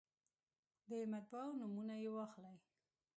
د مطبعو نومونه یې واخلئ.